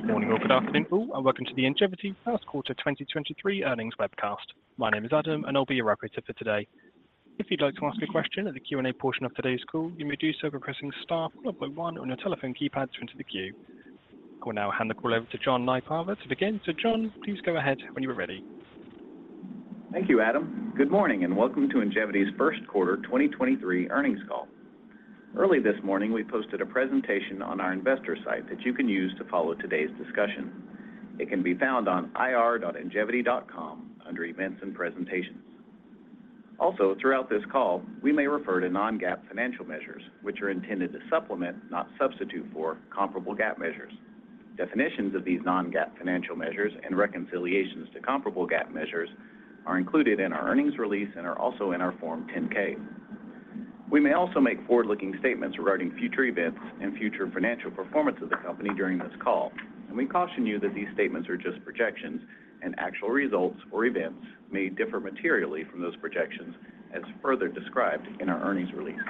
Good morning or good afternoon, all, welcome to the Ingevity First Quarter 2023 Earnings Webcast. My name is Adam; I'll be your operator for today. If you'd like to ask a question at the Q&A portion of today's call, you may do so by pressing star point one on your telephone keypad to enter the queue. I will now hand the call over to John Nypaver to begin. John, please go ahead when you are ready. Thank you, Adam. Good morning, and welcome to Ingevity's First Quarter 2023 Earnings Call. Early this morning, we posted a presentation on our investor site that you can use to follow today's discussion. It can be found on ir.ingevity.com under Events and Presentations. Throughout this call, we may refer to non-GAAP financial measures, which are intended to supplement, not substitute for, comparable GAAP measures. Definitions of these non-GAAP financial measures and reconciliations to comparable GAAP measures are included in our earnings release and are also in our Form 10-K. We may also make forward-looking statements regarding future events and future financial performance of the company during this call, and we caution you that these statements are just projections, and actual results or events may differ materially from those projections as further described in our earnings release.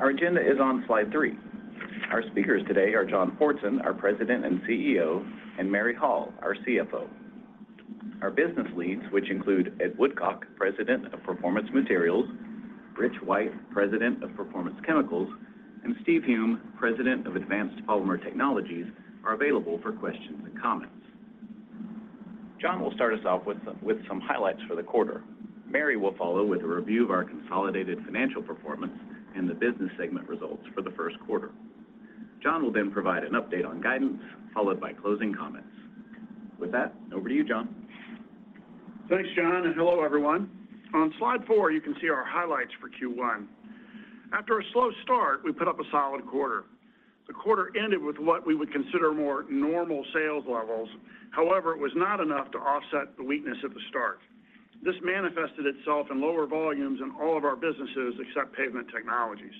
Our agenda is on slide three. Our speakers today are John Fortson, our President and CEO, and Mary Hall, our CFO. Our business leads, which include Ed Woodcock, President of Performance Materials, Rich White, President of Performance Chemicals, and Steve Hume, President of Advanced Polymer Technologies, are available for questions and comments. John will start us off with some highlights for the quarter. Mary will follow with a review of our consolidated financial performance, and the business segment results for the first quarter. John will provide an update on guidance, followed by closing comments. With that, over to you, John. Thanks, John. Hello, everyone. On slide four, you can see our highlights for first quarter. After a slow start, we put up a solid quarter. The quarter ended with what we would consider more normal sales levels. However, it was not enough to offset the weakness at the start. This manifested itself in lower volumes in all of our businesses except Pavement Technologies.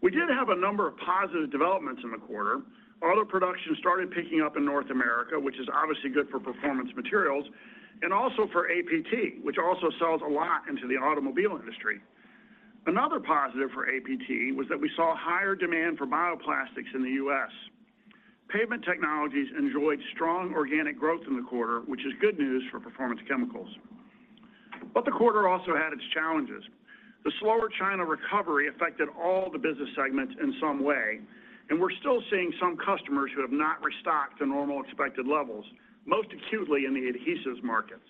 We did have a number of positive developments in the quarter. Auto production started picking up in North America, which is obviously good for Performance Materials and also for APT, which also sells a lot into the automobile industry. Another positive for APT was that we saw higher demand for bioplastics in the US Pavement Technologies enjoyed strong organic growth in the quarter, which is good news for Performance Chemicals. The quarter also had its challenges. The slower China recovery affected all the business segments in some way, and we're still seeing some customers who have not restocked to normal expected levels, most acutely in the adhesives markets.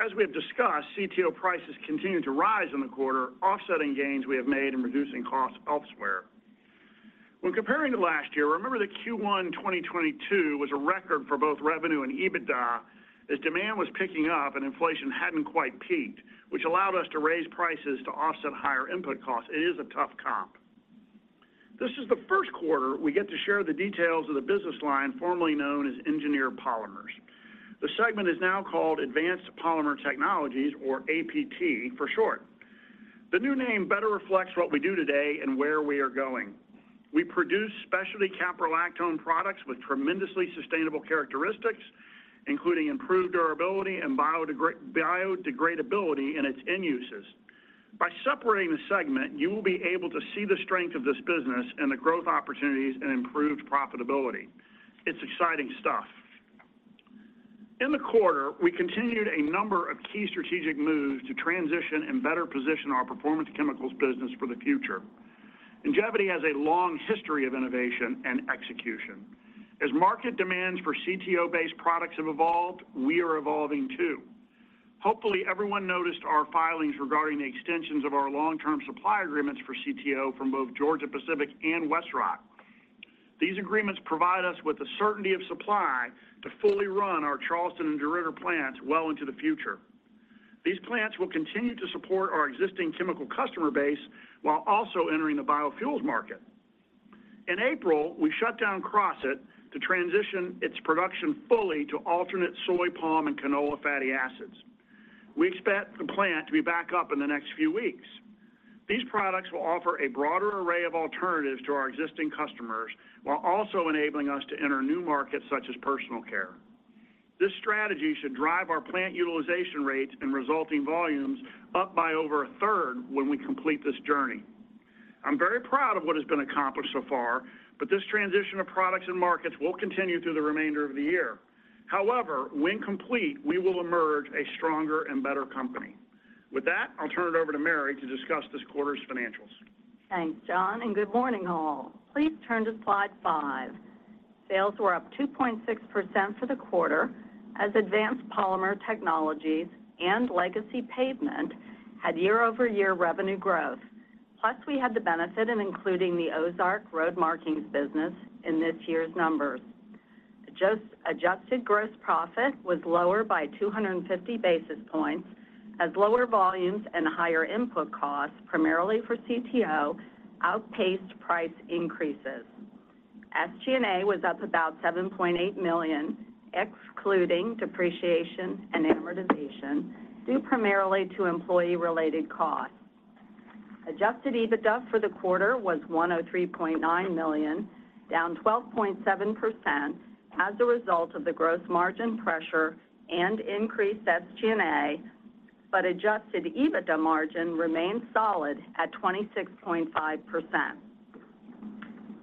As we have discussed, CTO prices continued to rise in the quarter, offsetting gains we have made in reducing costs elsewhere. Comparing to last year, remember that first quarter 2022 was a record for both revenue and EBITDA as demand was picking up and inflation hadn't quite peaked, which allowed us to raise prices to offset higher input costs. It is a tough comp. This is the first quarter we get to share the details of the business line formerly known as Engineered Polymers. The segment is now called Advanced Polymer Technologies or APT for short. The new name better reflects what we do today and where we are going. We produce specialty caprolactone products with tremendously sustainable characteristics, including improved durability and biodegradability in its end uses. By separating the segment, you will be able to see the strength of this business and the growth opportunities and improved profitability. It's exciting stuff. In the quarter, we continued a number of key strategic moves to transition and better position our Performance Chemicals business for the future. Ingevity has a long history of innovation and execution. As market demands for CTO-based products have evolved, we are evolving too. Hopefully, everyone noticed our filings regarding the extensions of our long-term supply agreements for CTO from both Georgia-Pacific and WestRock. These agreements provide us with the certainty of supply to fully run our Charleston and DeRidder plants well into the future. These plants will continue to support our existing chemical customer base while also entering the biofuels market. In April, we shut down Crossett to transition its production fully to alternate soy, palm, and canola fatty acids. We expect the plant to be back up in the next few weeks. These products will offer a broader array of alternatives to our existing customers while also enabling us to enter new markets such as personal care. This strategy should drive our plant utilization rates and resulting volumes up by over a third when we complete this journey. I'm very proud of what has been accomplished so far, but this transition of products and markets will continue through the remainder of the year. When complete, we will emerge a stronger and better company. With that, I'll turn it over to Mary to discuss this quarter's financials. Thanks, John, and good morning, all. Please turn to slide five. Sales were up 2.6% for the quarter as Advanced Polymer Technologies and Legacy Pavement had year-over-year revenue growth, plus we had the benefit in including the Ozark Road markings business in this year's numbers. Adjusted gross profit was lower by 250 basis points as lower volumes and higher input costs, primarily for CTO, outpaced price increases. SG&A was up about $7.8 million, excluding depreciation and amortization, due primarily to employee-related costs. Adjusted EBITDA for the quarter was $103.9 million, down 12.7% as a result of the gross margin pressure and increased SG&A. Adjusted EBITDA margin remained solid at 26.5%.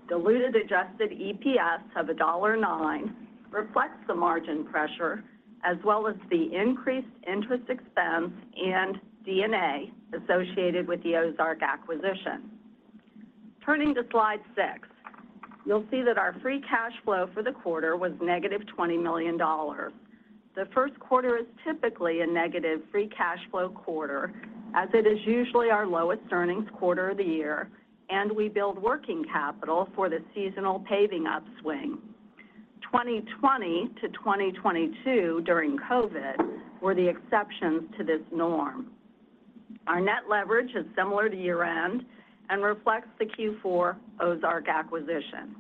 Diluted adjusted EPS of $1.09 reflects the margin pressure as well as the increased interest expense and D&A associated with the Ozark acquisition. Turning to slide six, you'll see that our free cash flow for the quarter was negative $20 million. The first quarter is typically a negative free cash flow quarter as it is usually our lowest earnings quarter of the year, we build working capital for the seasonal paving upswing. 2020 to 2022 during COVID were the exceptions to this norm. Our net leverage is similar to year-end and reflects the fourth quarter Ozark acquisition.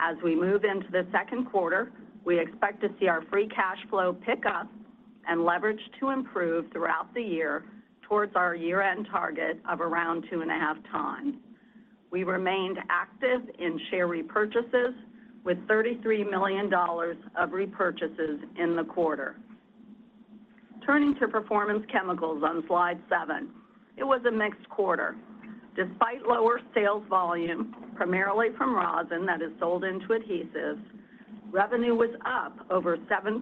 As we move into the second quarter, we expect to see our free cash flow pick up and leverage to improve throughout the year towards our year-end target of around 2.5 ton. We remained active in share repurchases with $33 million of repurchases in the quarter. Turning to Performance Chemicals on slide seven, it was a mixed quarter. Despite lower sales volume, primarily from rosin that is sold into adhesives, revenue was up over 7%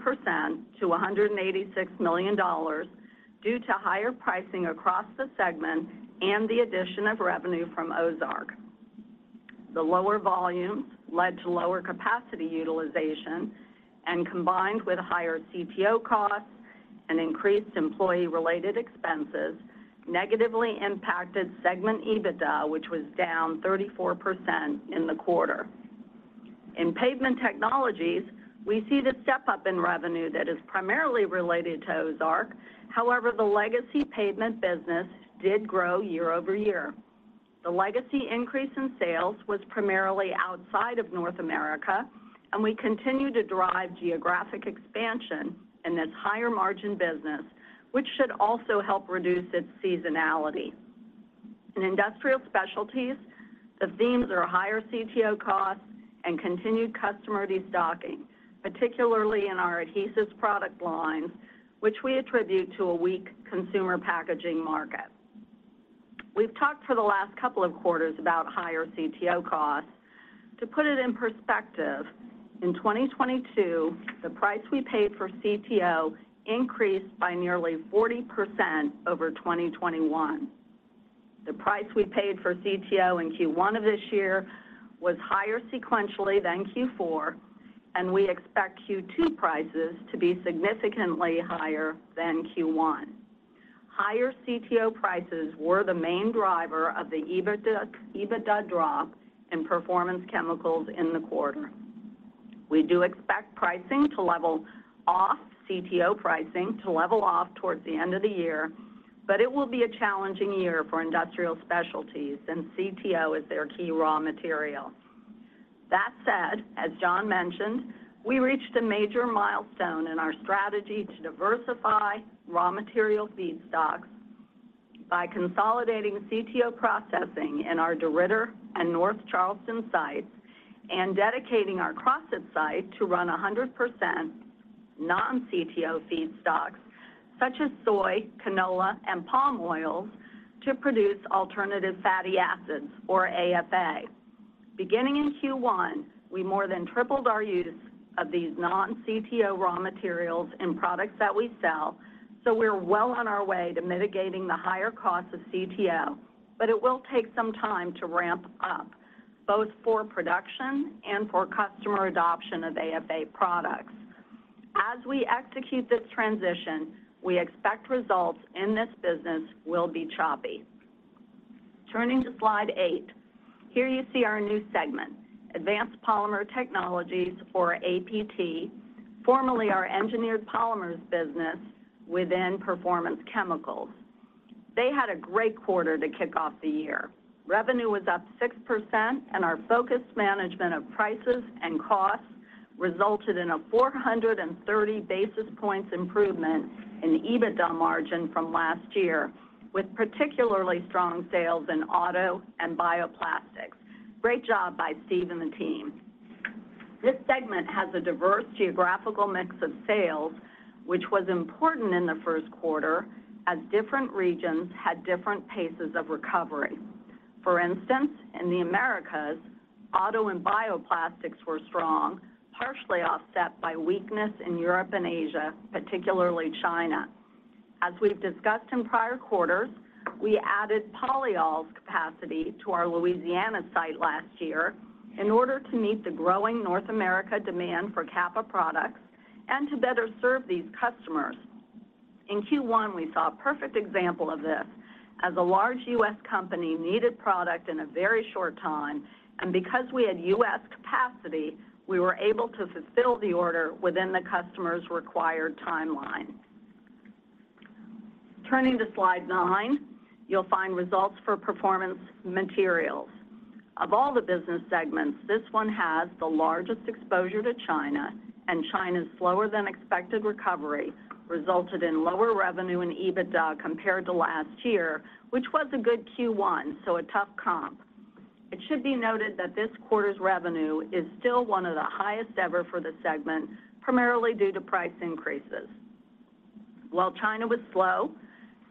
to $186 million due to higher pricing across the segment and the addition of revenue from Ozark. The lower volumes led to lower capacity utilization and combined with higher CTO costs and increased employee-related expenses negatively impacted segment EBITDA, which was down 34% in the quarter. In Pavement Technologies, we see the step-up in revenue that is primarily related to Ozark. However, the legacy pavement business did grow year-over-year. The legacy increase in sales was primarily outside of North America. We continue to drive geographic expansion in this higher margin business, which should also help reduce its seasonality. In Industrial Specialties, the themes are higher CTO costs and continued customer destocking, particularly in our adhesive's product lines, which we attribute to a weak consumer packaging market. We've talked for the last couple of quarters about higher CTO costs. To put it in perspective, in 2022, the price we paid for CTO increased by nearly 40% over 2021. The price we paid for CTO in first quarter of this year was higher sequentially than fourth quarter. We expect second quarter prices to be significantly higher than first quarter. Higher CTO prices were the main driver of the EBITDA drop in Performance Chemicals in the quarter. We do expect CTO pricing to level off towards the end of the year. It will be a challenging year for Industrial Specialties, CTO is their key raw material. That said, as John mentioned, we reached a major milestone in our strategy to diversify raw material feedstocks by consolidating CTO processing in our DeRidder and North Charleston sites and dedicating our Crossett site to run 100% non-CTO feedstocks such as soy, canola, and palm oils to produce alternative fatty acids or AFA. Beginning in first quarter, we more than tripled our use of these non-CTO raw materials in products that we sell. We're well on our way to mitigating the higher cost of CTO, it will take some time to ramp up both for production and for customer adoption of AFA products. As we execute this transition, we expect results in this business will be choppy. Turning to slide eight, here you see our new segment, Advanced Polymer Technologies or APT, formerly our Engineered Polymers business within Performance Chemicals. They had a great quarter to kick off the year. Revenue was up 6% Our focused management of prices and costs resulted in a 430-basis points improvement in the EBITDA margin from last year, with particularly strong sales in auto and bioplastics. Great job by Steve and the team. This segment has a diverse geographical mix of sales, which was important in the first quarter as different regions had different paces of recovery. For instance, in the Americas, auto and bioplastics were strong, partially offset by weakness in Europe and Asia, particularly China. As we've discussed in prior quarters, we added polyols capacity to our Louisiana site last year in order to meet the growing North America demand for Capa products and to better serve these customers. In first quarter, we saw a perfect example of this as a large US company needed product in a very short time, because we had US capacity, we were able to fulfill the order within the customer's required timeline. Turning to slide nine, you'll find results for Performance Materials. Of all the business segments, this one has the largest exposure to China's slower than expected recovery resulted in lower revenue and EBITDA compared to last year, which was a good first quarter, a tough comp. It should be noted that this quarter's revenue is still one of the highest ever for the segment, primarily due to price increases. China was slow,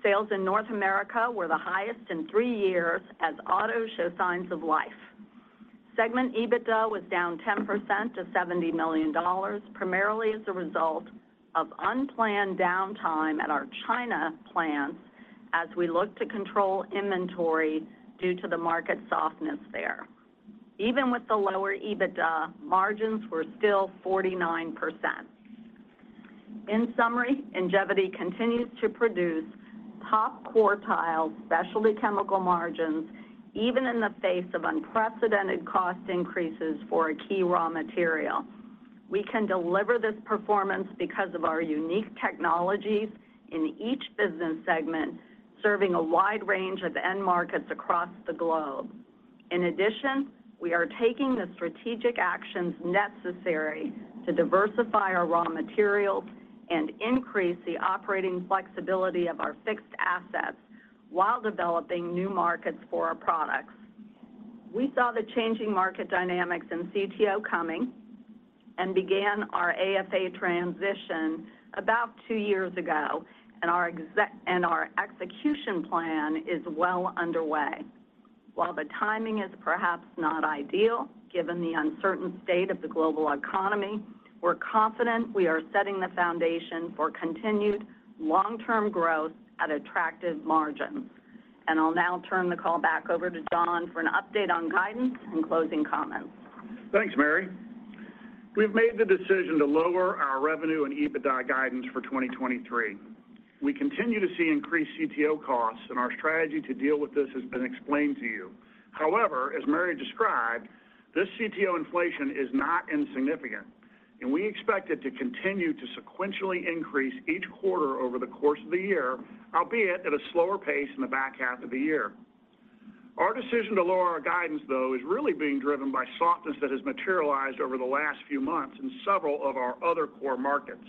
sales in North America were the highest in three years as auto show signs of life. Segment EBITDA was down 10% to $70 million, primarily as a result of unplanned downtime at our China plants as we look to control inventory due to the market softness there. Even with the lower EBITDA, margins were still 49%. In summary, Ingevity continues to produce top-quartile specialty chemical margins even in the face of unprecedented cost increases for a key raw material. We can deliver this performance because of our unique technologies in each business segment, serving a wide range of end markets across the globe. We are taking the strategic actions necessary to diversify our raw materials and increase the operating flexibility of our fixed assets while developing new markets for our products. We saw the changing market dynamics in CTO coming and began our AFA transition about two years ago, and our execution plan is well underway. While the timing is perhaps not ideal, given the uncertain state of the global economy, we're confident we are setting the foundation for continued long-term growth at attractive margins. I'll now turn the call back over to John for an update on guidance and closing comments. Thanks, Mary. We've made the decision to lower our revenue and EBITDA guidance for 2023. We continue to see increased CTO costs, and our strategy to deal with this has been explained to you. As Mary described, this CTO inflation is not insignificant, and we expect it to continue to sequentially increase each quarter over the course of the year, albeit at a slower pace in the back half of the year. Our decision to lower our guidance, though, is really being driven by softness that has materialized over the last few months in several of our other core markets.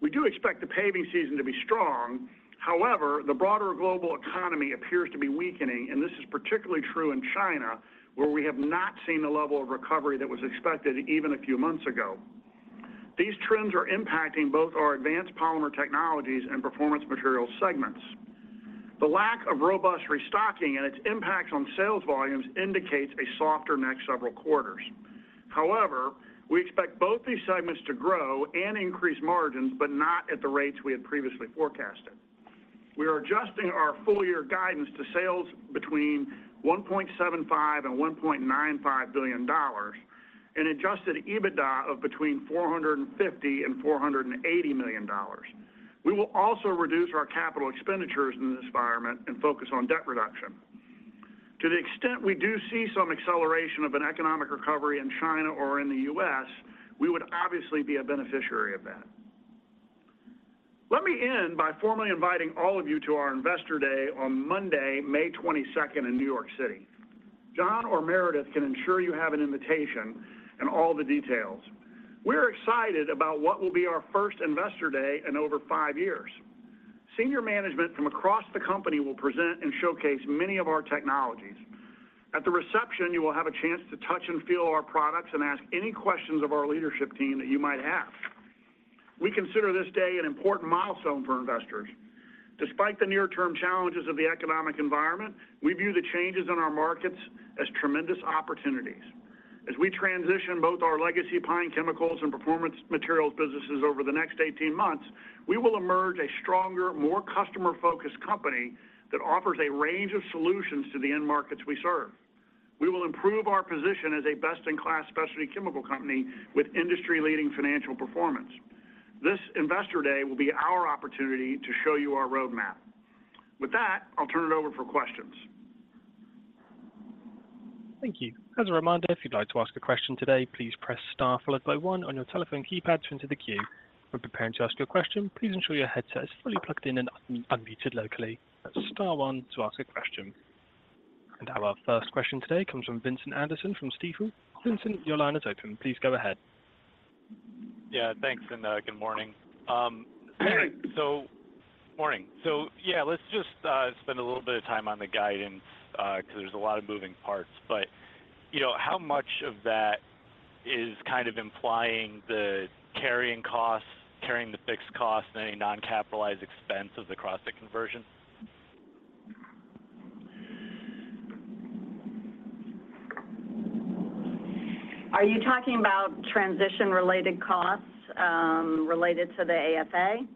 We do expect the paving season to be strong. The broader global economy appears to be weakening, and this is particularly true in China, where we have not seen the level of recovery that was expected even a few months ago. These trends are impacting both our Advanced Polymer Technologies and Performance Materials segments. The lack of robust restocking and its impact on sales volumes indicates a softer next several quarters. We expect both these segments to grow and increase margins, but not at the rates we had previously forecasted. We are adjusting our full-year guidance to sales between $1.75 billion and $1.95 billion and adjusted EBITDA of between $450 million and $480 million. We will also reduce our capital expenditures in this environment and focus on debt reduction. To the extent we do see some acceleration of an economic recovery in China or in the US, we would obviously be a beneficiary of that. Let me end by formally inviting all of you to our Investor Day on Monday, 2 May 2023 in New York City. John or Meredith can ensure you have an invitation and all the details. We're excited about what will be our first Investor Day in over five years. Senior management from across the company will present and showcase many of our technologies. At the reception, you will have a chance to touch and feel our products and ask any questions of our leadership team that you might have. We consider this day an important milestone for investors. Despite the near-term challenges of the economic environment, we view the changes in our markets as tremendous opportunities. As we transition both our legacy pine chemicals and Performance Materials businesses over the next 18 months, we will emerge a stronger, more customer-focused company that offers a range of solutions to the end markets we serve. We will improve our position as a best-in-class specialty chemical company with industry-leading financial performance. This Investor Day will be our opportunity to show you our roadmap. With that, I'll turn it over for questions. Thank you. As a reminder, if you'd like to ask a question today, please press star followed by one on your telephone keypad to enter the queue. When preparing to ask your question, please ensure your headset is fully plugged in and unmuted locally. That's star one to ask a question. Our first question today comes from Vincent Anderson from Stifel. Vincent, your line is open. Please go ahead. Yeah. Thanks, and good morning. Yeah, let's just spend a little bit of time on the guidance, 'cause there's a lot of moving parts. You know, how much of that is kind of implying the carrying costs, carrying the fixed costs and any non-capitalized expense of the Crossett conversion? Are you talking about transition-related costs, related to the AFA?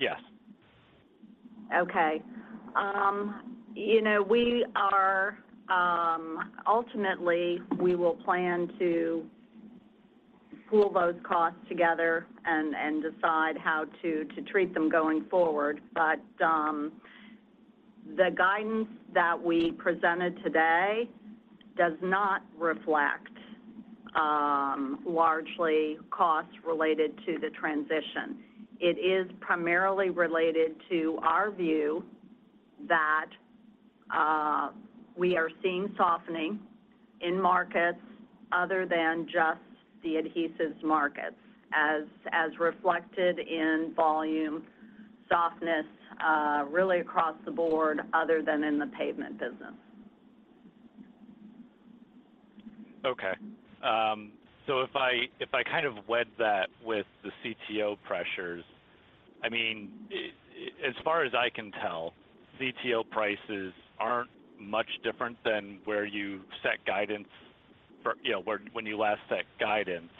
Yes. Okay. you know, we are Ultimately, we will plan to pool those costs together and decide how to treat them going forward. The guidance that we presented today does not reflect largely costs related to the transition. It is primarily related to our view that we are seeing softening in markets other than just the adhesives markets as reflected in volume softness, really across the board other than in the pavement business. Okay. If I kind of wed that with the CTO pressures, I mean, as far as I can tell, CTO prices aren't much different than where you set guidance. You know, when you last set guidance.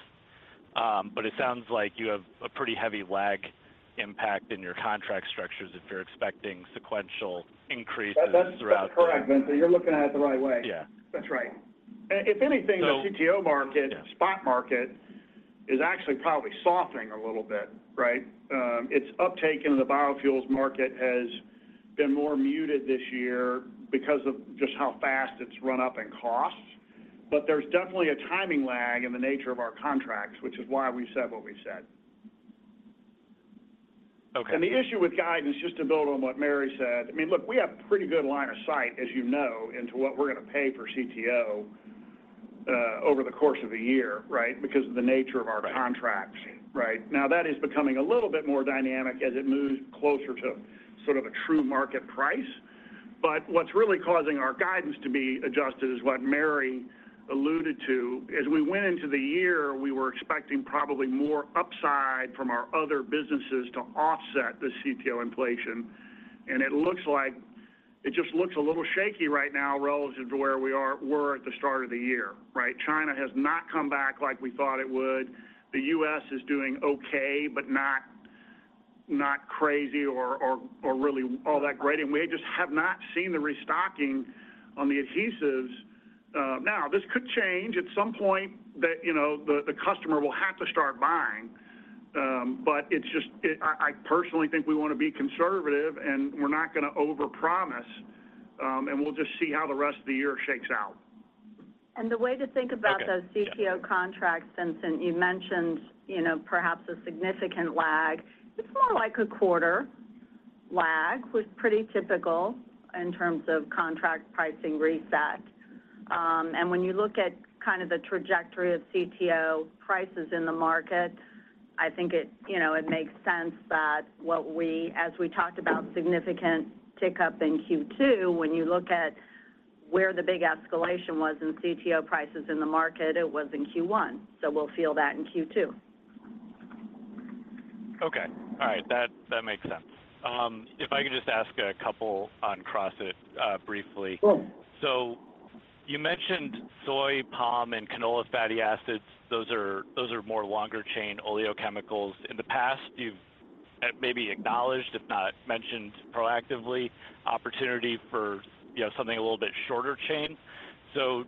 It sounds like you have a pretty heavy lag impact in your contract structures if you're expecting sequential increases throughout the... That's correct, Vincent. You're looking at it the right way. Yeah. That's right. If anything, the CTO market... Yeah. Spot market is actually probably softening a little bit, right? Its uptake into the biofuels market has been more muted this year because of just how fast it's run up in cost. There's definitely a timing lag in the nature of our contracts, which is why we said what we said. Okay. The issue with guidance, just to build on what Mary said, I mean, look, we have pretty good line of sight, as you know, into what we're gonna pay for CTO over the course of the year, right? Because of the nature of our contracts. Right. Right? Now, that is becoming a little bit more dynamic as it moves closer to sort of a true market price. What's really causing our guidance to be adjusted is what Mary alluded to. As we went into the year, we were expecting probably more upside from our other businesses to offset the CTO inflation. It looks like it just looks a little shaky right now relative to where we were at the start of the year, right? China has not come back like we thought it would. The US is doing okay, but not crazy or really all that great. We just have not seen the restocking on the adhesives. Now this could change at some point that, you know, the customer will have to start buying. It's just, I personally think we wanna be conservative, we're not gonna overpromise, we'll just see how the rest of the year shakes out. The way to think about... Okay. Yeah. Those CTO contracts, Vincent, you mentioned, you know, perhaps a significant lag. It's more like a quarter lag, which is pretty typical in terms of contract pricing reset. When you look at kind of the trajectory of CTO prices in the market, I think it, you know, it makes sense that as we talked about significant tick up in second quarter, when you look at where the big escalation was in CTO prices in the market, it was in first quarter, so we'll feel that in second quarter. Okay. All right. That makes sense. If I could just ask a couple on Crossett, briefly. Sure. You mentioned soy, palm, and canola fatty acids. Those are more longer chain oleochemicals. In the past, you've maybe acknowledged, if not mentioned proactively opportunity for, you know, something a little bit shorter chain.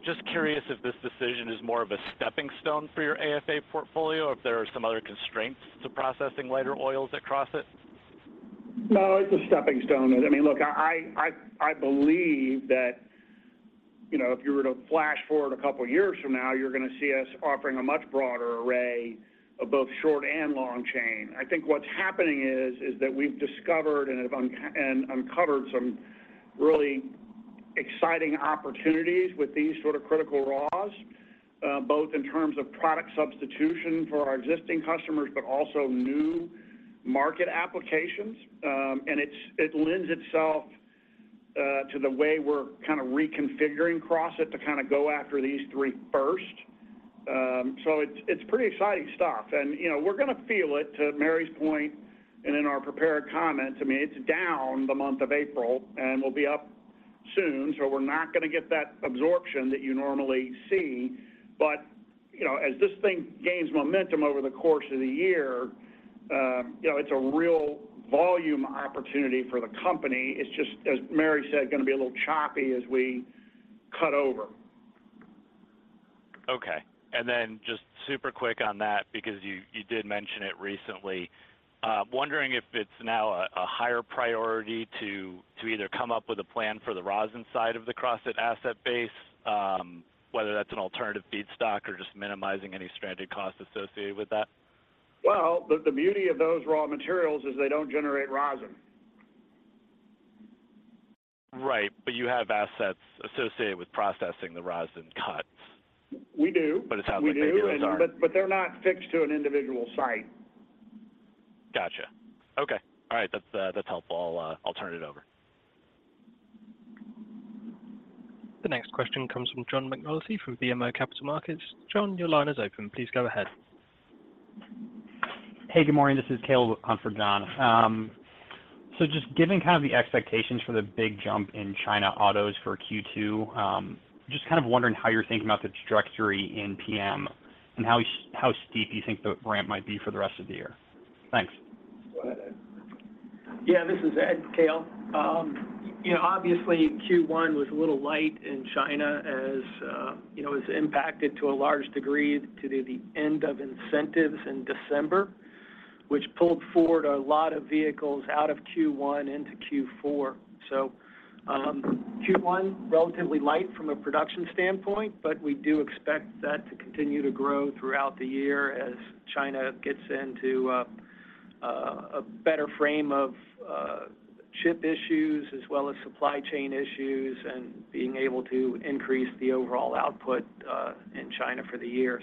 Just curious if this decision is more of a stepping stone for your AFA portfolio, or if there are some other constraints to processing lighter oils at Crossett? No, it's a steppingstone. I mean, look, I believe that, you know, if you were to flash forward a couple of years from now, you're gonna see us offering a much broader array of both short and long chain. I think what's happening is that we've discovered and have uncovered some really exciting opportunities with these sort of critical raws, both in terms of product substitution for our existing customers, but also new market applications. It lends itself to the way we're kind of reconfiguring Crossett to kinda go after these three first. It's, it's pretty exciting stuff. You know, we're gonna feel it, to Mary's point and in our prepared comments. I mean, it's down the month of April, and we'll be up soon, so we're not gonna get that absorption that you normally see. You know, as this thing gains momentum over the course of the year, you know, it's a real volume opportunity for the company. It's just, as Mary said, gonna be a little choppy as we cut over. Okay. Just super quick on that because you did mention it recently. Wondering if it's now a higher priority to either come up with a plan for the rosin side of the Crossett asset base, whether that's an alternative feedstock or just minimizing any stranded costs associated with that. Well, the beauty of those raw materials is they don't generate rosin. Right. You have assets associated with processing the rosin cuts. We do... It's how the figures are... We do. They're not fixed to an individual site. Gotcha. Okay. All right. That's helpful. I'll turn it over. The next question comes from John McNulty from BMO Capital Markets. John, your line is open. Please go ahead. Hey, good morning. This is Cale with Conference John. Just given kind of the expectations for the big jump in China autos for second quarter, just kind of wondering how you're thinking about the trajectory in PM and how steep you think the ramp might be for the rest of the year? Thanks. Go ahead, Ed. Yeah. This is Ed, Cale. You know, obviously first quarter was a little light in China as, you know, as impacted to a large degree to the end of incentives in December, which pulled forward a lot of vehicles out of first quarter into fourth quarter. first quarter, relatively light from a production standpoint, but we do expect that to continue to grow throughout the year as China gets into. A better frame of chip issues as well as supply chain issues and being able to increase the overall output in China for the year.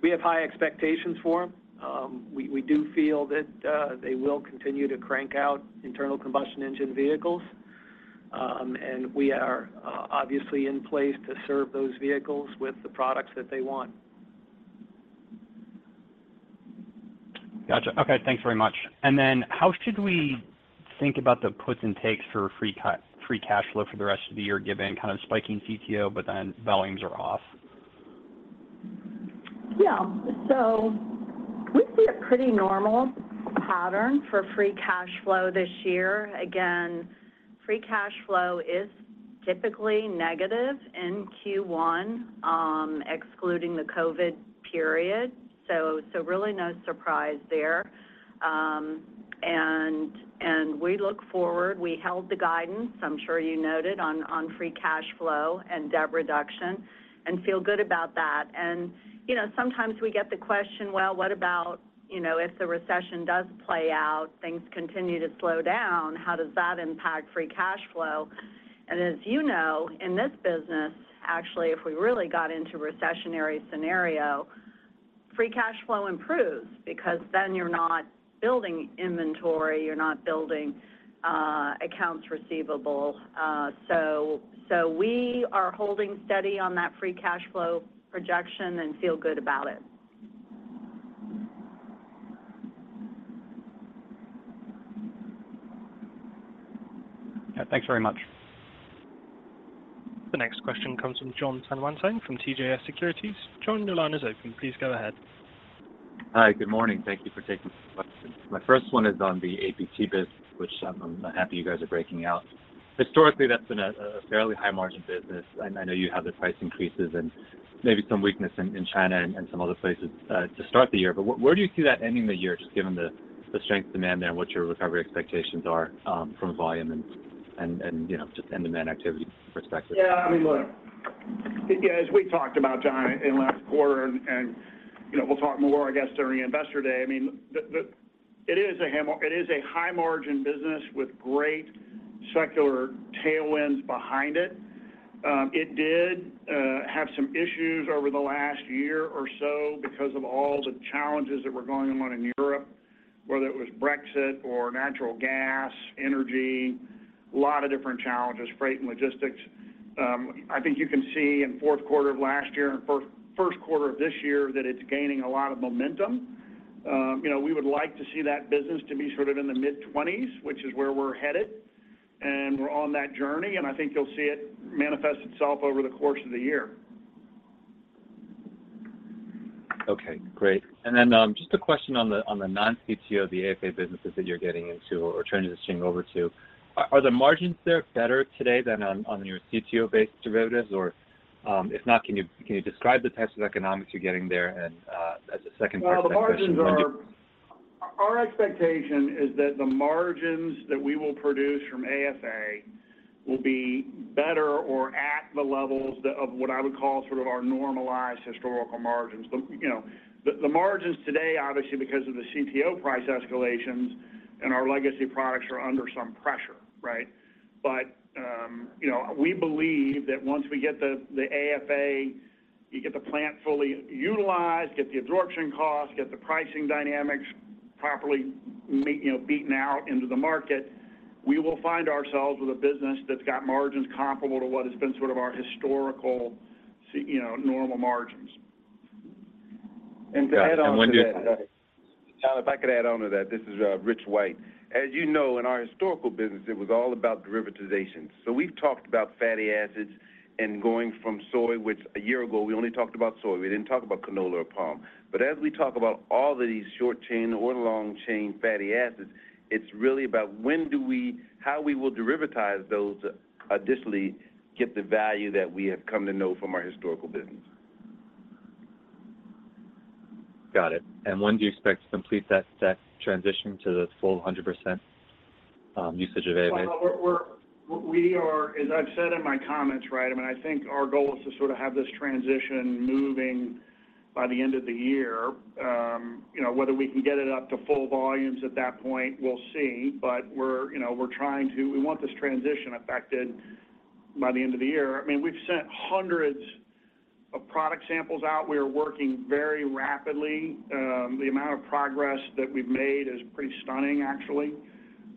We have high expectations for them. We do feel that they will continue to crank out internal combustion engine vehicles. We are obviously in place to serve those vehicles with the products that they want. Gotcha. Okay, thanks very much. How should we think about the puts and takes for free cash flow for the rest of the year given kind of spiking CTO, but then volumes are off? Yeah. We see a pretty normal pattern for free cash flow this year. Again, free cash flow is typically negative in first quarter, excluding the COVID period. Really no surprise there. We look forward. We held the guidance, I'm sure you noted on free cash flow and debt reduction and feel good about that. You know, sometimes we get the question, "Well, what about, you know, if the recession does play out, things continue to slow down, how does that impact free cash flow?" As you know, in this business, actually, if we really got into recessionary scenario, free cash flow improves because then you're not building inventory, you're not building accounts receivable. We are holding steady on that free cash flow projection and feel good about it. Yeah. Thanks very much. The next question comes from Jon Tanwanteng from CJS Securities. Jon, your line is open. Please go ahead. Hi. Good morning. Thank Thank you for taking my questions. My first one is on the APT biz, which I'm happy you guys are breaking out. Historically, that's been a fairly high margin business. I know you have the price increases and maybe some weakness in China and some other places to start the year. Where do you see that ending the year, just given the strength demand there and what your recovery expectations are from a volume and, you know, just end demand activity perspective? Yeah. I mean, look, you know, as we talked about John in last quarter, and you know, we'll talk more I guess during Investor Day. I mean, it is a high margin business with great secular tailwinds behind it. It did have some issues over the last year or so because of all the challenges that were going on in Europe, whether it was Brexit or natural gas, energy, lot of different challenges, freight and logistics. I think you can see in fourth quarter of last year and first quarter of this year that it's gaining a lot of momentum. You know, we would like to see that business to be sort of in the mid-20s, which is where we're headed, and we're on that journey, and I think you'll see it manifest itself over the course of the year. Okay, great. Then, just a question on the, on the non-CTO, the AFA businesses that you're getting into or transitioning over to. Are the margins there better today than on your CTO-based derivatives? Or, if not, can you describe the types of economics you're getting there? As a second part to that question. Well, the margins are. Our expectation is that the margins that we will produce from AFA will be better or at the levels of what I would call sort of our normalized historical margins. The, you know, the margins today, obviously because of the CTO price escalations and our legacy products are under some pressure, right? But, you know, we believe that once we get the AFA, you get the plant fully utilized, get the absorption cost, get the pricing dynamics properly you know, beaten out into the market, we will find ourselves with a business that's got margins comparable to what has been sort of our historical you know, normal margins. When do... To add onto that... Go ahead. John, if I could add onto that. This is Rich White. As you know, in our historical business it was all about derivatization. We've talked about fatty acids and going from soy, which a year ago we only talked about soy. We didn't talk about canola or palm. As we talk about all of these short chain or long chain fatty acids, it's really about how we will derivatize those to additionally get the value that we have come to know from our historical business. Got it. When do you expect to complete that transition to the full 100% usage of AFA? Well, we're, as I've said in my comments, right, I mean, I think our goal is to sort of have this transition moving by the end of the year. You know, whether we can get it up to full volumes at that point, we'll see. We want this transition effected by the end of the year. I mean, we've sent hundreds of product samples out. We are working very rapidly. The amount of progress that we've made is pretty stunning actually.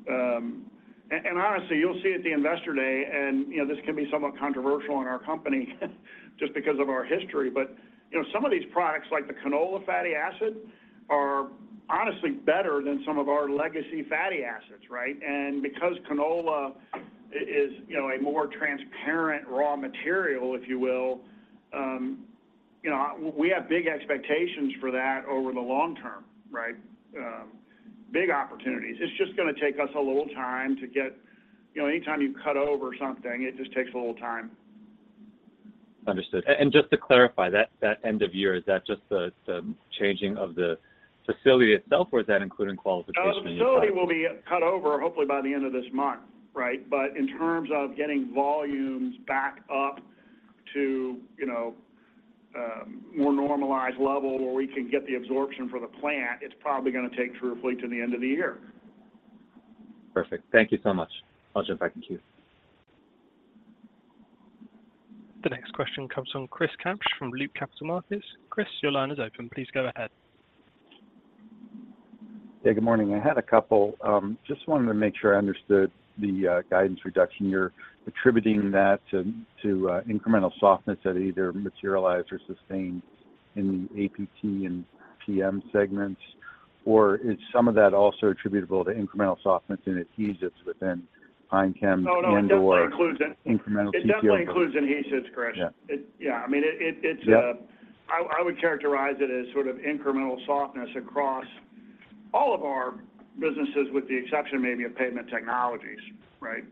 And honestly, you'll see at the Investor Day, and you know, this can be somewhat controversial in our company just because of our history, you know, some of these products, like the canola fatty acid, are honestly better than some of our legacy fatty acids, right? Because canola is, you know, a more transparent raw material, if you will, you know, we have big expectations for that over the long term, right? Big opportunities. It's just gonna take us a little time to get... you know, anytime you cut over something, it just takes a little time. Understood. Just to clarify, that end of year, is that just the changing of the facility itself, or is that including qualification and? The facility will be cut over hopefully by the end of this month, right? In terms of getting volumes back up to, you know, more normalized level where we can get the absorption for the plant, it's probably gonna take through fully to the end of the year. Perfect. Thank you so much. I'll jump back in queue. The next question comes from Chris Kapsch from Loop Capital Markets. Chris, your line is open. Please go ahead. Yeah, good morning. I had a couple. Just wanted to make sure I understood the guidance reduction. You're attributing that to incremental softness that either materialized or sustained in the APT and PM segments or is some of that also attributable to incremental softness in adhesives within Pine Chem... No, no, it definitely includes it. And/or incremental CTO... It definitely includes adhesives, Chris. Yeah. Yeah. I mean, it's... Yeah. I would characterize it as sort of incremental softness across all of our businesses with the exception maybe of Pavement Technologies, right?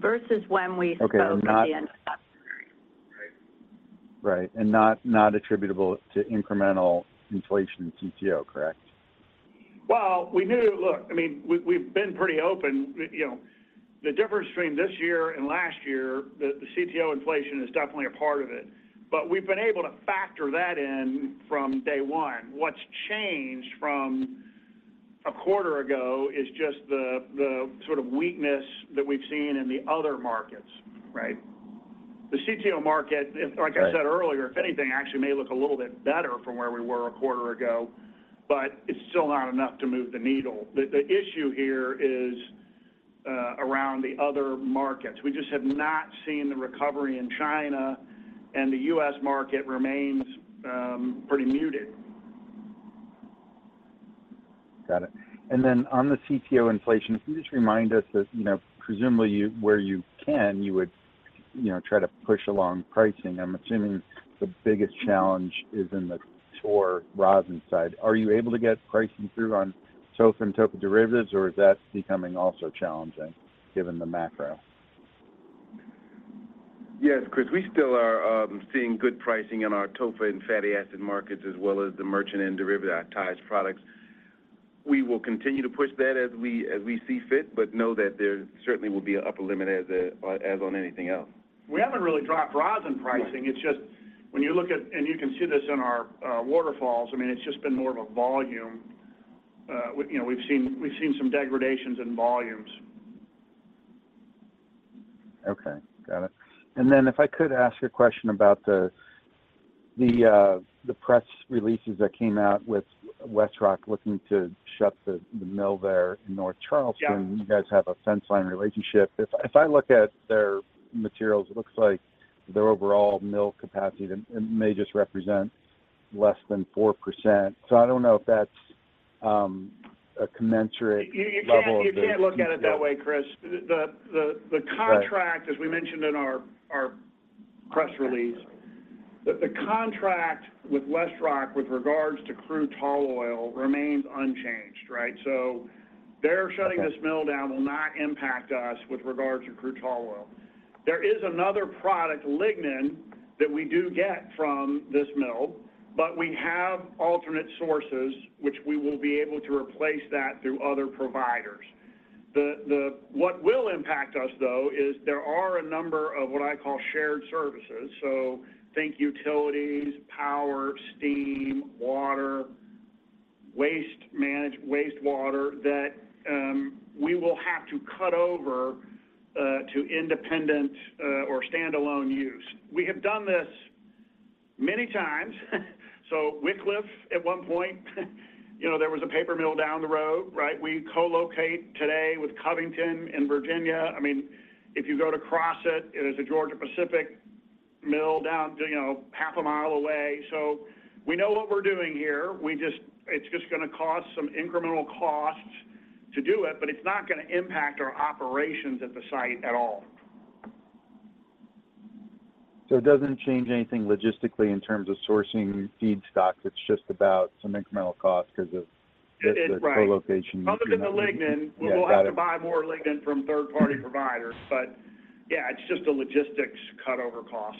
Versus when we spoke at the end of... [inaudible] Okay. Not... Right. Right. Not, not attributable to incremental inflation in CTO, correct? Well, we knew. Look, I mean, we've been pretty open. You know, the difference between this year and last year, the CTO inflation is definitely a part of it, but we've been able to factor that in from day one. What's changed from a quarter ago is just the sort of weakness that we've seen in the other markets, right? The CTO market, like I said earlier. Right. If anything, actually may look a little bit better from where we were a quarter ago, but it's still not enough to move the needle. The issue here is around the other markets. We just have not seen the recovery in China, and the US market remains pretty muted. Got it. Then on the CTO inflation, can you just remind us that, you know, presumably where you can, you would, you know, try to push along pricing. I'm assuming the biggest challenge is in the Tall Oil Rosin side. Are you able to get pricing through on TOFA and TOFA derivatives, or is that becoming also challenging given the macro? Chris, we still are seeing good pricing in our TOFA and fatty acid markets as well as the merchant and derivatized products. We will continue to push that as we see fit. Know that there certainly will be an upper limit as on anything else. We haven't really dropped rosin pricing. Right. It's just when you look at... you can see this in our waterfalls. I mean, it's just been more of a volume. We, you know, we've seen some degradations in volumes. Okay. Got it. Then if I could ask a question about the press releases that came out with WestRock looking to shut the mill there in North Charleston. Yeah. You guys have a fence line relationship. If I look at their materials, it looks like their overall mill capacity may just represent less than 4%. I don't know if that's a commensurate level of... You can't look at it that way, Chris. The contract... Right. As we mentioned in our press release, the contract with WestRock with regards to Crude Tall Oil remains unchanged, right? Their shutting this mill down will not impact us with regards to Crude Tall Oil. There is another product, lignin, that we do get from this mill, but we have alternate sources which we will be able to replace that through other providers. What will impact us, though, is there are a number of what I call shared services. Think utilities, power, steam, water, wastewater that we will have to cut over to independent or standalone use. We have done this many times. Wickliffe at one point, you know, there was a paper mill down the road, right? We co-locate today with Covington in Virginia. I mean, if you go to Crossett, it is a Georgia-Pacific mill down, you know, half a mile away. We know what we're doing here. It's just gonna cost some incremental costs to do it, but it's not gonna impact our operations at the site at all. It doesn't change anything logistically in terms of sourcing feedstock. It's just about some incremental cost 'cause of... It is, right? The co-location piece... [inaudible] Other than the lignin. Yeah. Got it... We'll have to buy more lignin from third-party providers, but yeah, it's just a logistics cut-over cost.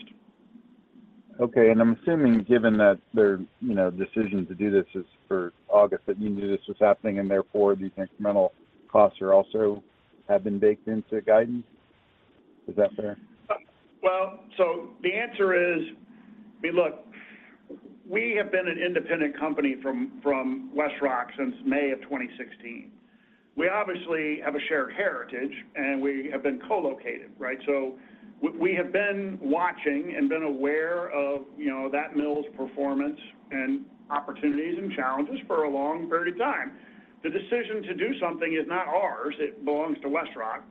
Okay. I'm assuming given that their, you know, decision to do this is for August, that you knew this was happening and therefore these incremental costs are also have been baked into the guidance. Is that fair? The answer is... I mean, look, we have been an independent company from WestRock since May of 2016. We obviously have a shared heritage, we have been co-located, right? We have been watching and been aware of, you know, that mill's performance and opportunities and challenges for a long period of time. The decision to do something is not ours. It belongs to WestRock.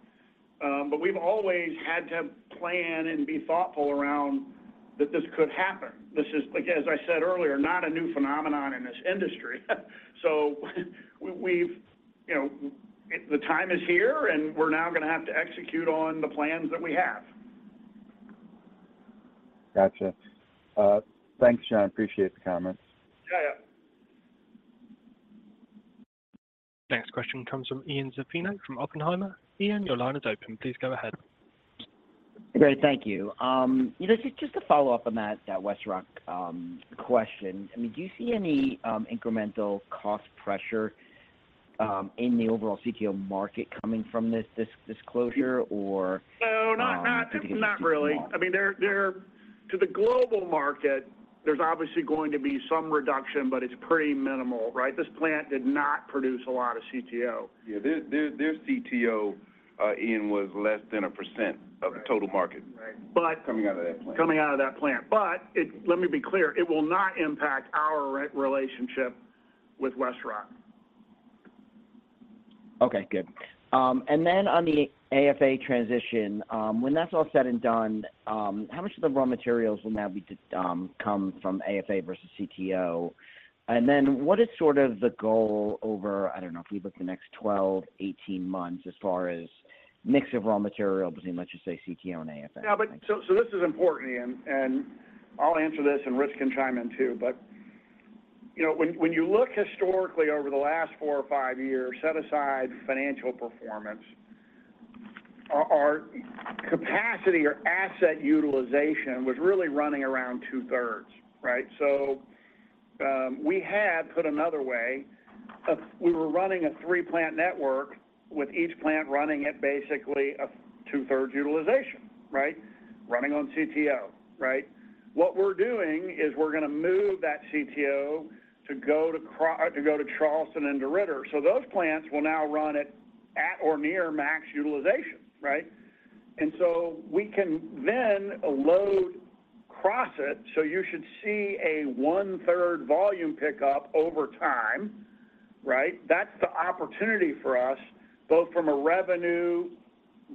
We've always had to plan and be thoughtful around that this could happen. This is, like as I said earlier, not a new phenomenon in this industry. We've, you know, the time is here, and we're now gonna have to execute on the plans that we have. Gotcha. Thanks, John. Appreciate the comments. Yeah. Yeah. Next question comes from Ian Zaffino from Oppenheimer. Ian, your line is open. Please go ahead. Great. Thank you. You know, just to follow up on that WestRock question. I mean, do you see any incremental cost pressure in the overall CTO market coming from this closure or... No, not really. Do you think we'll see some more? I mean, To the global market, there's obviously going to be some reduction, but it's pretty minimal, right? This plant did not produce a lot of CTO. Yeah. Their CTO, Ian, was less than 1% of the total market... Right. Coming out of that plant. Coming out of that plant. Let me be clear, it will not impact our re-relationship with WestRock. Okay, good. On the AFA transition, when that's all said and done, how much of the raw materials will now be to come from AFA versus CTO? What is sort of the goal over, I don't know, if we look the next 12, 18 months as far as mix of raw material between, let's just say CTO and AFA? This is important, Ian, and I'll answer this, and Rich can chime in too. You know, when you look historically over the last four or five years, set aside financial performance, our capacity or asset utilization was really running around 2/3, right? We had, put another way, we were running a three-plant network with each plant running at basically a 2/3 utilization, right? Running on CTO, right? What we're doing is we're going to move that CTO to go to Charleston and to Ritter. Those plants will now run at or near max utilization, right? We can then load Crossett, so you should see a 1/3 volume pickup over time, right? That's the opportunity for us, both from a revenue,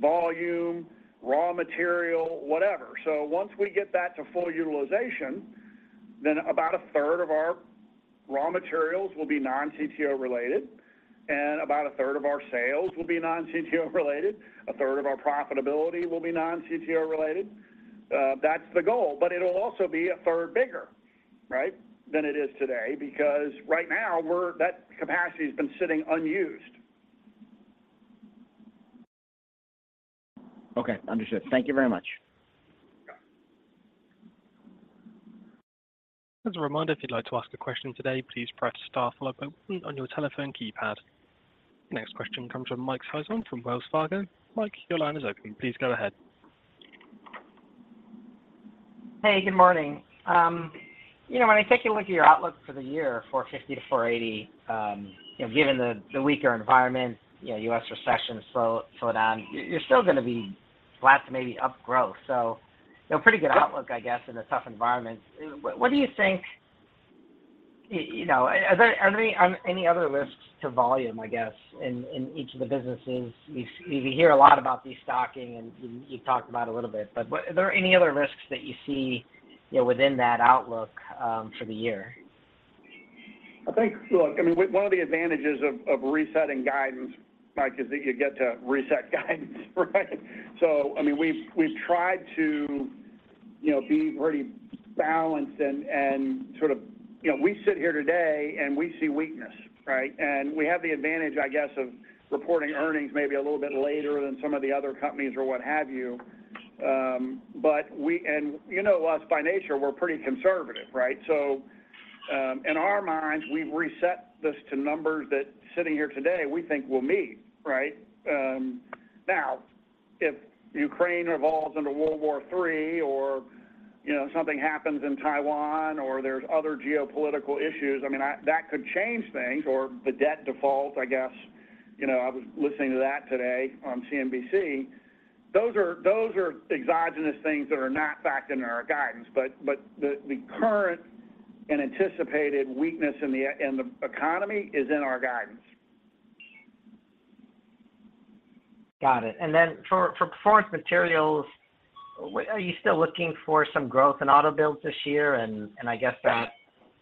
volume, raw material, whatever. Once we get that to full utilization, then about a third of our raw materials will be non-CTO related, and about a third of our sales will be non-CTO related. A third of our profitability will be non-CTO related. That's the goal, but it'll also be a third bigger, right, than it is today because right now that capacity's been sitting unused. Okay. Understood. Thank you very much. Yeah. As a reminder, if you'd like to ask a question today, please press star followed by the pound on your telephone keypad. Next question comes from Mike Sison from Wells Fargo. Mike, your line is open. Please go ahead. Hey, good morning. You know, when I take a look at your outlook for the year, 450 to 480, you know, given the weaker environment, you know, US recession slow down, you're still gonna be flat to maybe up growth. You know, pretty good outlook, I guess, in a tough environment. What do you think you know, are there any other risks to volume, I guess, in each of the businesses? We hear a lot about destocking, and you talked about a little bit, but what. Are there any other risks that you see, you know, within that outlook, for the year? I think, look, I mean, one of the advantages of resetting guidance, Mike, is that you get to reset guidance, right? I mean, we've tried to, you know, be pretty balanced and sort of. We sit here today, we see weakness, right? We have the advantage, I guess, of reporting earnings maybe a little bit later than some of the other companies or what have you. You know us by nature, we're pretty conservative, right? In our minds, we've reset this to numbers that sitting here today, we think we'll meet, right? Now, if Ukraine evolves into World War III or, you know, something happens in Taiwan, or there's other geopolitical issues, that could change things or the debt default, I guess. You know, I was listening to that today on CNBC. Those are exogenous things that are not factored into our guidance, but the current and anticipated weakness in the economy is in our guidance. Got it. For Performance Materials, are you still looking for some growth in auto builds this year? I guess that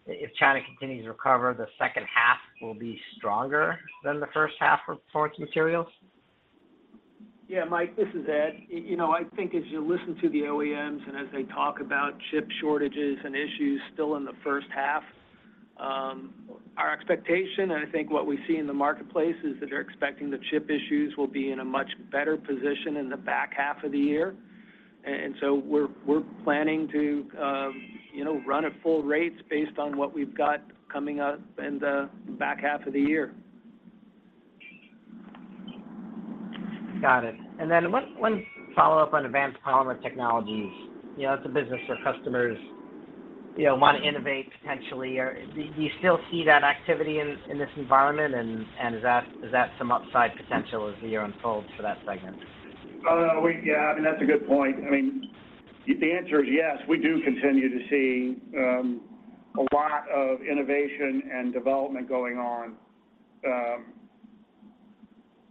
if China continues to recover, the second half will be stronger than the first half for Performance Materials? Yeah, Mike, this is Ed. You know, I think as you listen to the OEMs and as they talk about chip shortages and issues still in the first half, our expectation and I think what we see in the marketplace is that they're expecting the chip issues will be in a much better position in the back half of the year. We're planning to, you know, run at full rates based on what we've got coming up in the back half of the year. Got it. One follow-up on Advanced Polymer Technologies. You know, it's a business where customers, you know, want to innovate potentially. Do you still see that activity in this environment? Is that some upside potential as the year unfolds for that segment? Yeah, I mean, that's a good point. I mean, the answer is yes. We do continue to see a lot of innovation and development going on.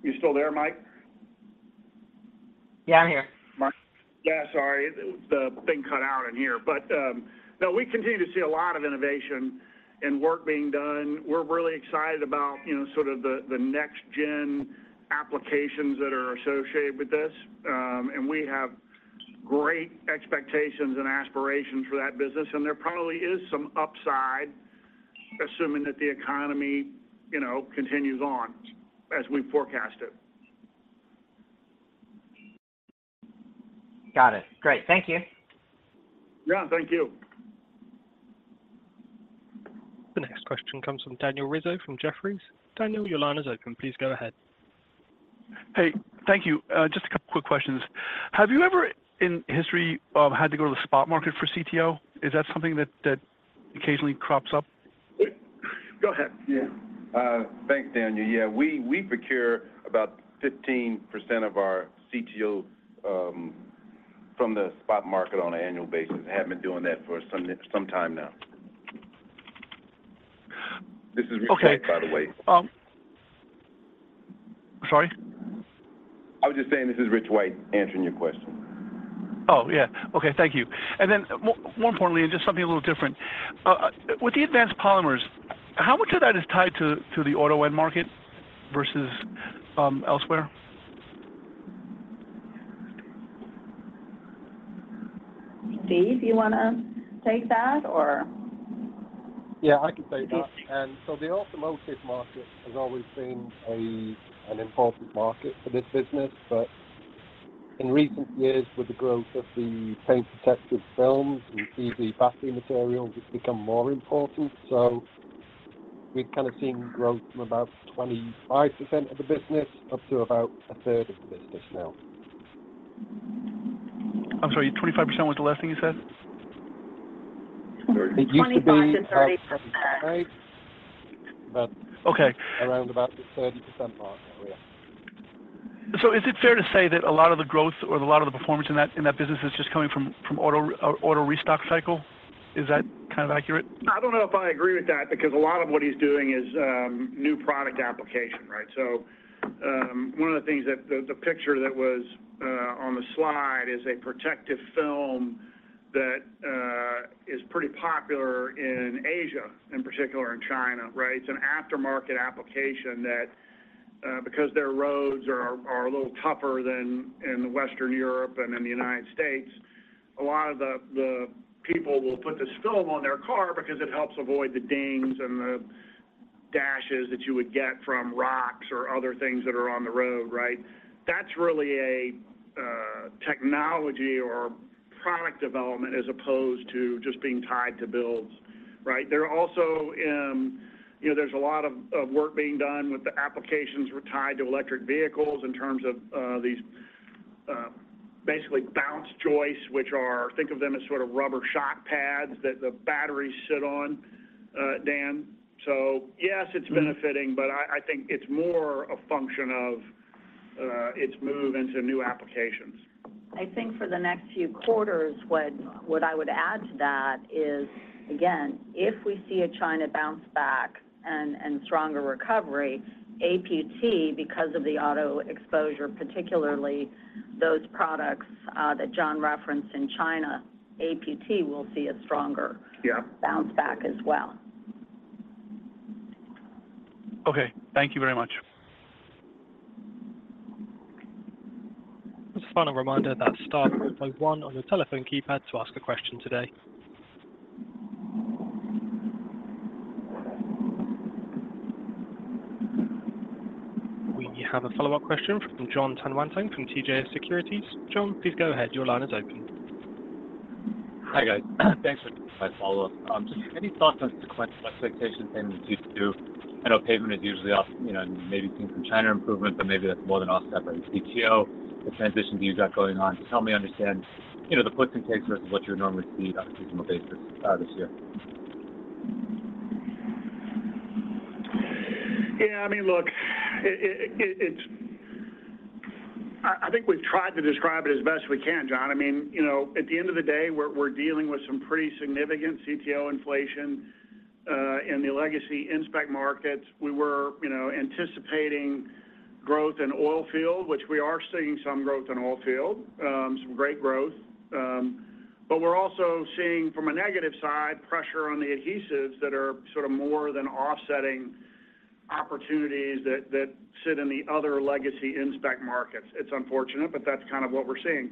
You still there, Mike? Yeah, I'm here. Yeah. Sorry. The thing cut out in here. No, we continue to see a lot of innovation and work being done. We're really excited about, you know, sort of the next gen applications that are associated with this. We have great expectations and aspirations for that business, and there probably is some upside, assuming that the economy, you know, continues on as we forecast it. Got it. Great. Thank you. Yeah, thank you. The next question comes from Daniel Rizzo from Jefferies. Daniel, your line is open. Please go ahead. Hey, thank you. Just a couple quick questions. Have you ever in history had to go to the spot market for CTO? Is that something that occasionally crops up? Go ahead. Yeah. Thanks, Daniel. Yeah, we procure about 15% of our CTO from the spot market on an annual basis, have been doing that for some time now. Okay... This is Rich White, by the way. Sorry? I was just saying this is Rich White answering your question. Oh, yeah. Okay, thank you. More importantly, and just something a little different, with the Advanced Polymers, how much of that is tied to the auto end market versus elsewhere? Steve, do you wanna take that or... I can take that... the automotive market has always been a, an important market for this business. In recent years, with the growth of the paint protection film and EV battery material, it's become more important. We've kind of seen growth from about 25% of the business up to about a third of the business now. I'm sorry, 25% was the last thing you said? It used to be... [inaudible] 25% to 30%. Right. Okay. Around about the 30% mark now, yeah. Is it fair to say that a lot of the growth or a lot of the performance in that, in that business is just coming from auto restock cycle? Is that kind of accurate? I don't know if I agree with that because a lot of what he's doing is, new product application, right? One of the things that the picture that was on the slide is a protective film that is pretty popular in Asia, in particular in China, right? It's an aftermarket application that because their roads are a little tougher than in the Western Europe and in the United States, a lot of the people will put this film on their car because it helps avoid the dings and the dashes that you would get from rocks or other things that are on the road, right? That's really a technology or product development as opposed to just being tied to builds, right? There are also, you know, there's a lot of work being done with the applications tied to electric vehicles in terms of these, basically bounce joists, which are think of them as sort of rubber shock pads that the batteries sit on, Dan. Yes, it's benefiting, but I think it's more a function of its move into new applications. I think for the next few quarters, what I would add to that is, again, if we see a China bounce back and stronger recovery, APT, because of the auto exposure, particularly those products, that John referenced in China, APT will see a stronger... Yeah. Bounce back as well. Okay. Thank you very much. Just a final reminder that star plus one on your telephone keypad to ask a question today. We have a follow-up question from Jon Tanwanteng from CJS Securities. Jon, please go ahead. Your line is open. Hi, guys. Thanks for taking my follow-up. Just any thoughts on sequence expectations in second quarter? I know Pavement is usually off, maybe seeing some China improvement, but maybe that's more than offset by the CTO, the transition views you got going on. Just help me understand the puts and takes versus what you would normally see on a seasonal basis this year. Yeah, I mean, look, it's I think we've tried to describe it as best we can, John. I mean, you know, at the end of the day, we're dealing with some pretty significant CTO inflation in the legacy Industrial Specialties markets. We were, you know, anticipating growth in oilfield, which we are seeing some growth in oilfield, some great growth. We're also seeing from a negative side, pressure on the adhesives that are sort of more than offsetting opportunities that sit in the other legacy Industrial Specialties markets. It's unfortunate, but that's kind of what we're seeing.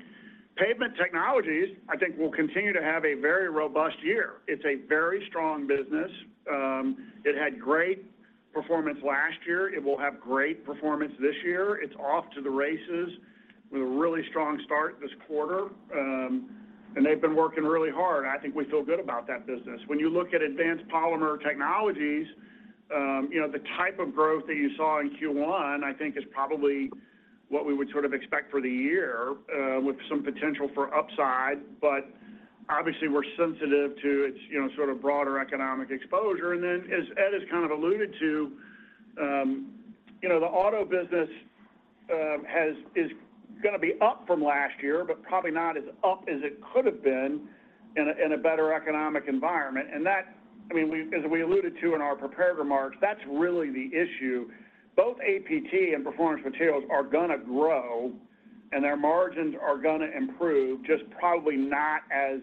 Pavement Technologies, I think will continue to have a very robust year. It's a very strong business. It had great performance last year. It will have great performance this year. It's off to the races with a really strong start this quarter. They've been working really hard, and I think we feel good about that business. When you look at Advanced Polymer Technologies, you know, the type of growth that you saw in first quarter, I think is probably what we would sort of expect for the year with some potential for upside. Obviously, we're sensitive to its, you know, sort of broader economic exposure. As Ed has kind of alluded to, you know, the auto business is gonna be up from last year, but probably not as up as it could have been in a better economic environment. That, I mean, as we alluded to in our prepared remarks, that's really the issue. Both APT and Performance Materials are gonna grow, and their margins are gonna improve, just probably not as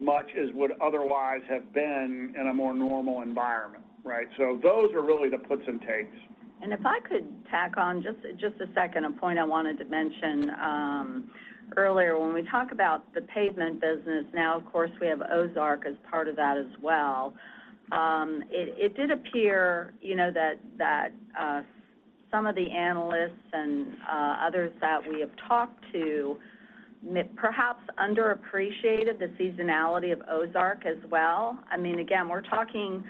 much as would otherwise have been in a more normal environment, right? Those are really the puts and takes. If I could tack on just a second, a point I wanted to mention, earlier when we talk about the pavement business, now of course we have Ozark as part of that as well. It did appear, you know, that Some of the analysts and others that we have talked to perhaps underappreciated the seasonality of Ozark as well. I mean, again, we're talking,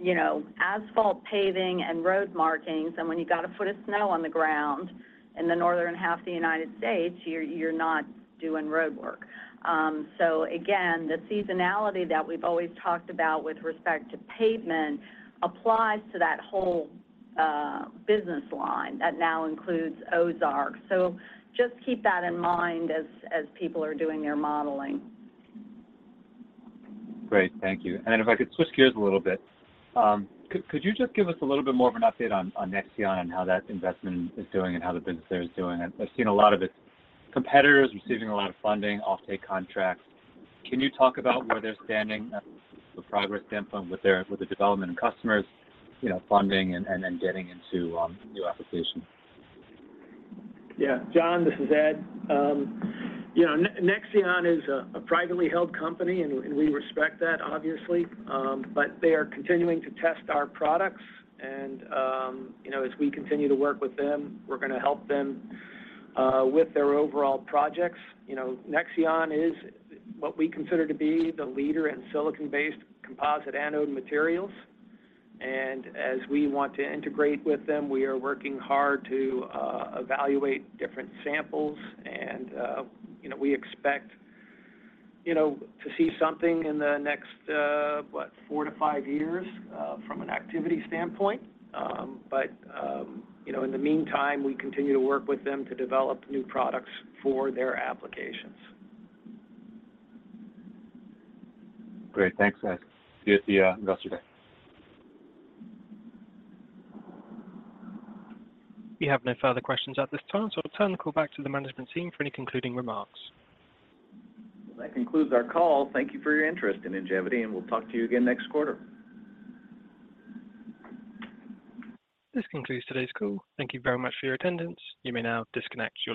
you know, asphalt paving and road markings, and when you got a foot of snow on the ground in the northern half of the United States, you're not doing roadwork. Again, the seasonality that we've always talked about with respect to pavement applies to that whole business line that now includes Ozark. Just keep that in mind as people are doing their modeling. Great. Thank you. If I could switch gears a little bit, could you just give us a little bit more of an update on Nexeon and how that investment is doing and how the business there is doing? I've seen a lot of its competitors receiving a lot of funding, offtake contracts. Can you talk about where they're standing from a progress standpoint with the development of customers, you know, funding and then getting into new applications? Yeah. John, this is Ed. You know, Nexeon is a privately held company and we respect that obviously. They are continuing to test our products and, you know, as we continue to work with them, we're gonna help them with their overall projects. You know, Nexeon is what we consider to be the leader in silicon-based composite anode materials. As we want to integrate with them, we are working hard to evaluate different samples and, you know, we expect, you know, to see something in the next, what, four to five years from an activity standpoint. You know, in the meantime, we continue to work with them to develop new products for their applications. Great. Thanks, Ed. See you at the Investor Day. We have no further questions at this time. I'll turn the call back to the management team for any concluding remarks. Well, that concludes our call. Thank Thank you for your interest in Ingevity, and we'll talk to you again next quarter. This concludes today's call. Thank you very much for your attendance. You may now disconnect your line.